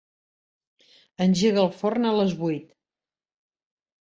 Engega el forn a les vuit.